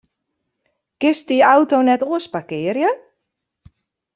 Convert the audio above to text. Kinst dy auto net oars parkearje?